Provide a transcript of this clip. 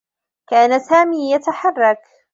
كان سامي يتحرّك.